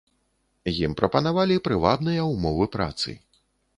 Ім прапанавалі прывабныя ўмовы працы.